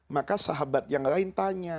maka sahabat yang lain tanya